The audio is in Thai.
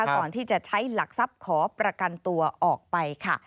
ก่อนที่จะใช้หลักทรัพย์ขอประกันตัวออกไปค่ะ